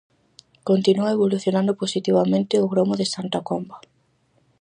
Continúa evolucionando positivamente o gromo de Santa Comba.